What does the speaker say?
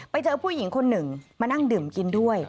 ไปเจอผู้หญิงคนหนึ่งมานั่งดื่มกินด้วย